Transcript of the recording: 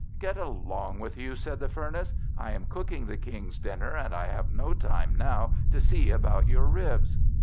"Get along with you," said the Furnace; "I am cooking the King's dinner, and I have no time now to see about your ribs."